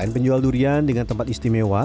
buah durian juga bersih dengan tempat istimewa